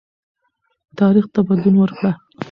تاریخ ته بدلون ورکړه.